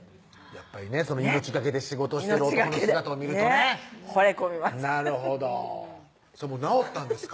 やっぱりね命懸けで仕事をしてる男の姿を見るとね惚れ込みますなるほどそれもう治ったんですか？